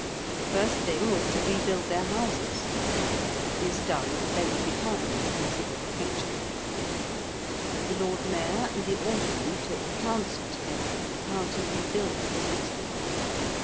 The first thing was to rebuild their houses. This done there would be time to consider the future. The Lord Mayor and the Aldermen took counsel together how to rebuild the City.